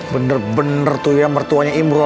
bener bener tuh ya mertuanya imron ya